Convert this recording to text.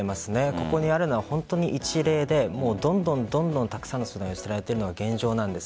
ここにあるのは本当に一例でどんどんたくさんの相談が寄せられているのが現状です。